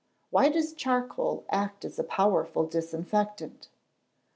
_Why does charcoal act as a powerful disinfectant?